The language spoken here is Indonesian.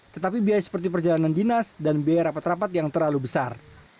tetapi biaya seperti perjalanan dinas dan biaya rapat rapat yang terlalu besar